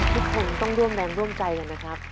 ทุกคนต้องร่วมแรงร่วมใจกันนะครับ